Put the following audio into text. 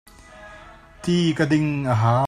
Ti ka ding a hau.